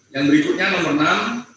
yang berikutnya nomor enam